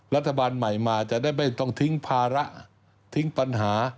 รัฐบาลใหม่มาจะได้ไม่ต้องทิ้งภาระทิ้งปัญหา